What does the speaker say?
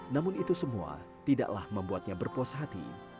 namun itu semua tidaklah membuatnya berpuas hati